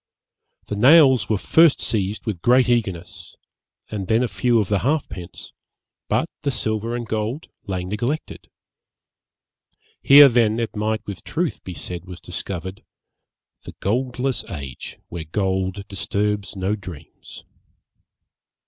The nails were first seized with great eagerness, and then a few of the halfpence, but the silver and gold lay neglected.' Here then it might with truth be said was discovered The goldless age, where gold disturbs no dreams.